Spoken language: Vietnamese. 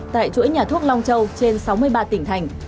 tại chuỗi nhà thuốc long châu trên sáu mươi ba tỉnh thành